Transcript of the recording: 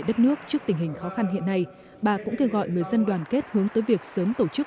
đất nước trước tình hình khó khăn hiện nay bà cũng kêu gọi người dân đoàn kết hướng tới việc sớm tổ chức